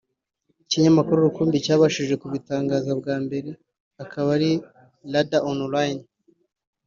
Ikinyamakuru rukumbi cyabashije kubitangaza bwa mbere akaba ari RadarOnline